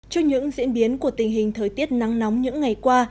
trước những diễn biến của tình hình thời tiết nắng nóng những ngày qua